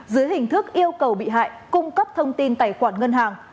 dưới hình thức yêu cầu bị hại cung cấp thông tin tài khoản ngân hàng